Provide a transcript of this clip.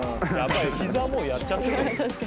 膝もうやっちゃってる。